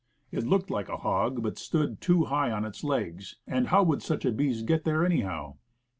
It looked like a hog, but stood too high on its legs; and how would such a beast get there anyhow?